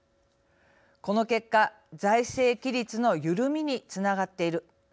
この結果、財政規律のゆるみにつながっている。